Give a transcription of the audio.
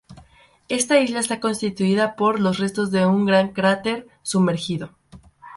Esta isla está constituida por los restos de un gran cráter sumergido.